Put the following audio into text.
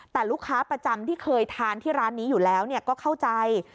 แต่ลูกค้าประจำที่เคยทานที่ร้านนี้อยู่แล้วก็เข้าใจ